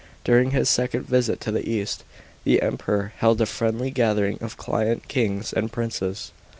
During his second visit to the east, the Emperor held a friendly gathering of client kings and princes.